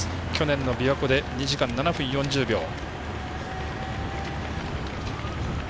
去年のびわ湖で２時間７分４０秒。